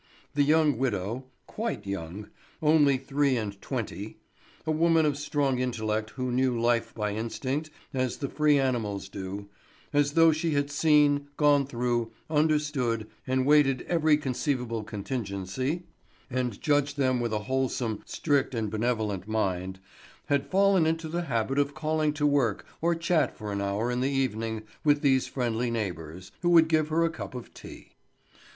The young widow—quite young, only three and twenty—a woman of strong intellect who knew life by instinct as the free animals do, as though she had seen, gone through, understood, and weighted every conceivable contingency, and judged them with a wholesome, strict, and benevolent mind, had fallen into the habit of calling to work or chat for an hour in the evening with these friendly neighbours, who would give her a cup of tea.